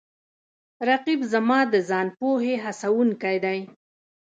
رقیب زما د ځان پوهې هڅوونکی دی